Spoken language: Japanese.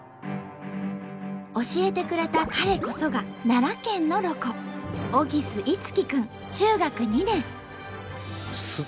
教えてくれた彼こそが奈良県のロコ荻巣樹くん中学２年。